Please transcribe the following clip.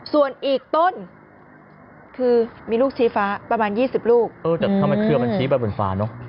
ส่วนอีกต้นคือมีลูกชี้ฟ้าประมาณ๒๐ลูกเออแต่ทำไมเครือมันชี้ไปบนฟ้าเนอะ